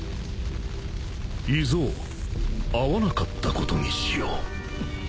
イゾウ会わなかったことにしよう。